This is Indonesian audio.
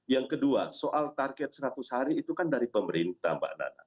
yang kedua soal target seratus hari itu kan dari pemerintah mbak nana